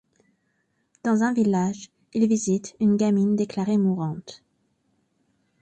Dans un village, il visite une gamine déclarée mourante.